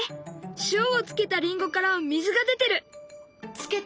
塩をつけたりんごから水が出てる！